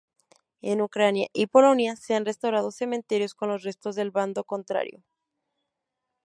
En Ucrania y Polonia se han restaurado cementerios con los restos del bando contrario.